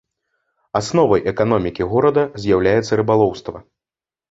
Асновай эканомікі горада з'яўляецца рыбалоўства.